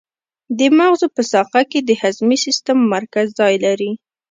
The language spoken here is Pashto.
د مغزو په ساقه کې د هضمي سیستم مرکز ځای لري.